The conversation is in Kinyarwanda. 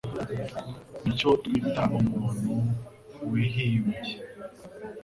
Nicyo twita umuntu wihimbye.